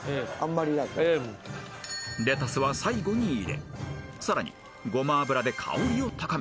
［レタスは最後に入れさらにごま油で香りを高め］